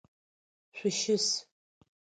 Шъущыс!